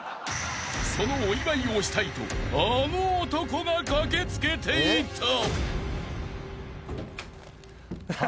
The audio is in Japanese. ［そのお祝いをしたいとあの男が駆けつけていた］